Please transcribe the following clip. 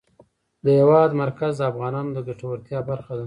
د هېواد مرکز د افغانانو د ګټورتیا برخه ده.